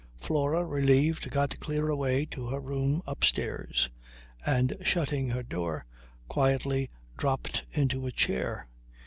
Flora, relieved, got clear away to her room upstairs, and shutting her door quietly, dropped into a chair.